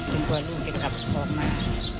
กลัวลูกจะกลับออกมา